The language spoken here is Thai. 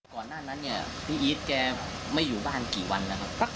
ก่อนหน้านั้นเนี่ยพี่อีทแกไม่อยู่บ้านกี่วันแล้วครับ